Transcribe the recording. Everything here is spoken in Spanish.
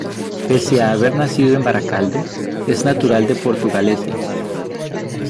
Pese a haber nacido en Baracaldo, es natural de Portugalete.